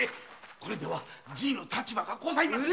これではじいの立場がございません。